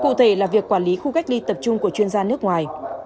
cụ thể là việc quản lý khu cách ly tập trung của chuyên gia nước ngoài